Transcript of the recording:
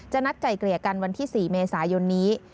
นัดไกลเกลี่ยกันวันที่๔เมษายนนี้